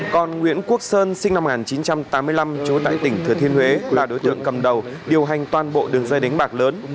còn nguyễn quốc sơn sinh năm một nghìn chín trăm tám mươi năm trú tại tỉnh thừa thiên huế là đối tượng cầm đầu điều hành toàn bộ đường dây đánh bạc lớn